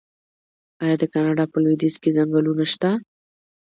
آیا د کاناډا په لویدیځ کې ځنګلونه نشته؟